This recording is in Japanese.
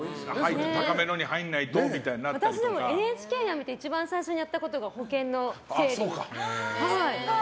ＮＨＫを辞めて一番最初にやったことが保険の整理でした。